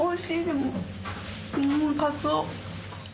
すごいカツオ。